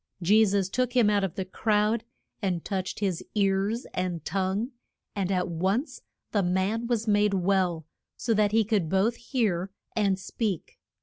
Je sus took him out of the crowd, and touched his ears and tongue, and at once the man was made well, so that he could both hear and speak.